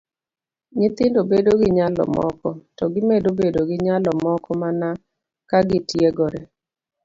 Nyithindo bedo gi nyalo moko, to gimedo bedo gi nyalo moko mana ka gitiegore.